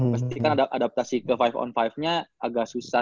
pasti kan adaptasi ke lima on lima nya agak susah